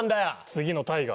次の大河。